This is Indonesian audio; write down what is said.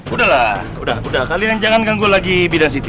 udahlah udah udah kalian jangan ganggu lagi bidang city